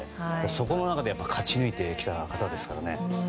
そこの中で勝ち抜いてきた方ですから。